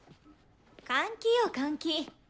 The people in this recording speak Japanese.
換気よ換気。